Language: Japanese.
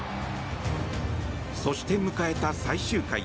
そして迎えた最終回。